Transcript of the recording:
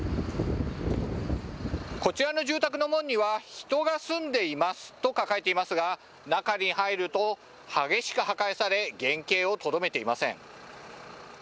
こちらの住宅の門には、人が住んでいますと書かれていますが、中に入ると、激しく破壊され、原形をとどめていません。